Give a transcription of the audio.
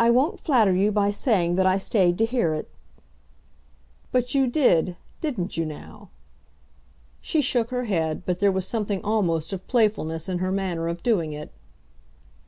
"I won't flatter you by saying that I stayed to hear it." "But you did; didn't you now?" She shook her head, but there was something almost of playfulness in her manner of doing it.